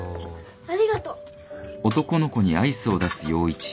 ありがとう。